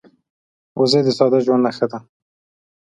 وزې د ساده ژوند نښه ده